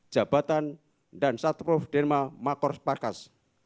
jabatan dan satruf denma makors parkas